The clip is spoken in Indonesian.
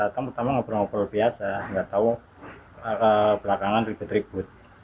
kita pertama tama ngobrol ngobrol biasa gak tau kebelakangan ribut ribut